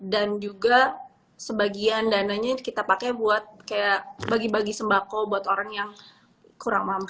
dan juga sebagian dananya kita pakai buat kayak bagi bagi sembako buat orang yang kurang mampu